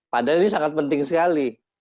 padahal ini sangat penting sekali